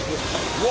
うわ。